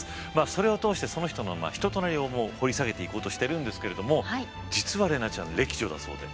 それを通してその人の人となりを掘り下げていこうとしてるんですけれども実は怜奈ちゃん歴女だそうで。